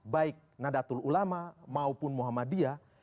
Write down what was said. baik nadatul ulama maupun muhammadiyah